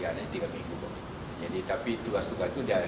tidak ini bukan transisi ini tiga minggu tapi tugas tugas itu dialihkan